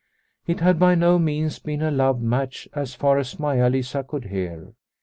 It had by no means been a love match as far as Maia Lisa could hear.